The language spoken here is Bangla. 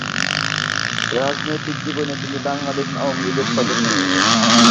রাজনৈতিক জীবনে তিনি বাংলাদেশ আওয়ামী লীগ এর সদস্য্ ছিলেন।